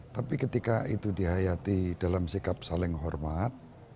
tapi ketika itu dihayati dalam sikap saling hormat